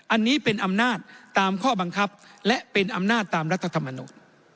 อันนี้เป็นอำนาจตามข้อบังคับและเป็นอำนาจตามรัฐธรรมนูล